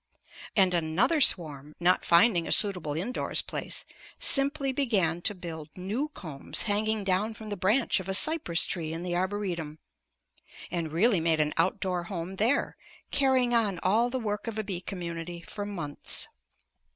And another swarm, not finding a suitable indoors place, simply began to build new combs hanging down from the branch of a cypress tree in the Arboretum, and really made an outdoor home there, carrying on all the work of a bee community for months.